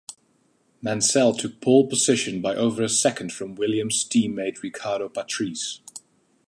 Mansell took pole position by over a second from Williams team-mate Riccardo Patrese.